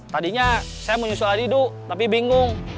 tadinya saya mau nyusul adidu tapi bingung